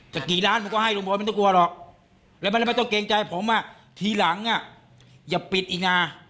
กี่ล้านมันก็ให้ลุงบอยไม่ต้องกลัวหรอกแล้วไม่ต้องเกรงใจผมอ่ะทีหลังอย่าปิดอีกนะ